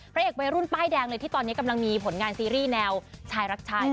เอกวัยรุ่นป้ายแดงเลยที่ตอนนี้กำลังมีผลงานซีรีส์แนวชายรักชาย